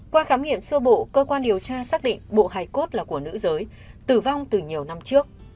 qua khám nghiệm sơ bộ cơ quan điều tra xác định bộ hài cốt là của nữ giới tử vong từ nhiều năm trước